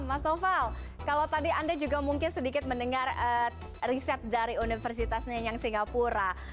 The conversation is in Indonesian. mas noval kalau tadi anda juga mungkin sedikit mendengar riset dari universitasnya yang singapura